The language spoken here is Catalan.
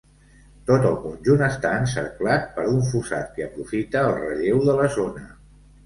Tot el conjunt està encerclat per un fossat que aprofita el relleu de la zona.